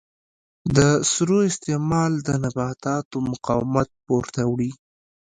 د سرو استعمال د نباتاتو مقاومت پورته وړي.